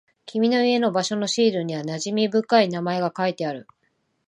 君の家の場所のシールには馴染み深い名前が書いてある。